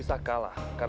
iya makasih diet